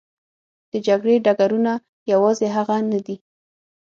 د جګړې ډګرونه یوازې هغه نه دي.